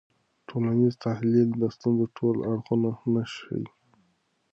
ټولنیز تحلیل د ستونزو ټول اړخونه نه ښيي.